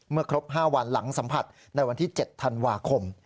ครบ๕วันหลังสัมผัสในวันที่๗ธันวาคม